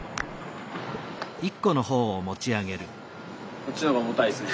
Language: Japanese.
こっちの方が重たいっすね